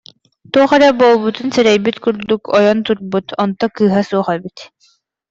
Туох эрэ буолбутун сэрэйбит курдук, ойон турбут, онто кыыһа суох эбит